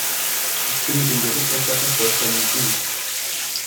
Ich stimme dem Berichterstatter vollkommen zu.